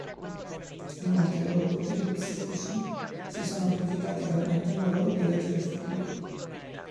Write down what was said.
Inoltre, i loro poteri psichici si sono amplificati permettendo loro di leggere il futuro.